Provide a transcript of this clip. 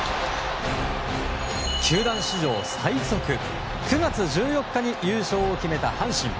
球団史上最速９月１４日に優勝を決めた阪神。